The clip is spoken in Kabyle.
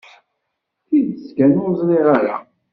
Tidet kan, ur ẓriɣ ara.